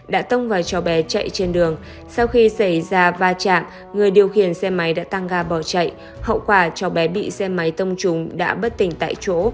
đã tông vào cho bé chạy trên đường sau khi xảy ra va chạng người điều khiển xe máy đã tăng ga bỏ chạy hậu quả cho bé bị xe máy tông trùng đã bất tỉnh tại chỗ